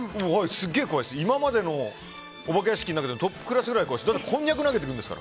今までのお化け屋敷の中でトップクラスくらい怖いです。